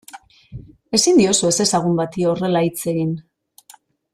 Ezin diozu ezezagun bati horrela hitz egin.